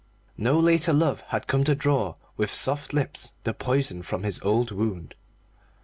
No later love had come to draw with soft lips the poison from this old wound.